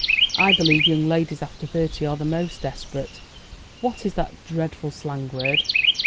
I believe young ladies after thirty are the most desperate what is that dreadful slang word?